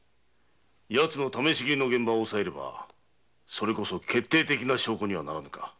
奴の試し斬りの現場押さえればそれこそ決定的な証拠にはならぬか？